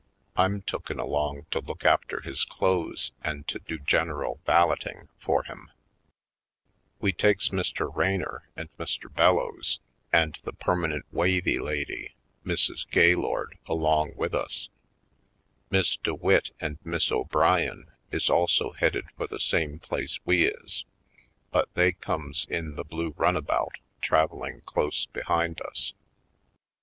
I'm tooken along to look after his clothes and to do general valetting for him. We takes Mr. Raynor and Mr. Bellows 104 /. Poindextevj Colored and the permanent wavy lady, Mrs, Gay lord, along with us. Miss DeWitt and Miss O'Brien is also headed for the same place we is, but they comes in the blue run about traveling close behind us.